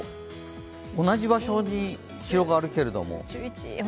同じ場所に広がるけれども。